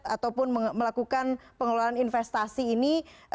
ataupun melakukan pengelolaan investasi ini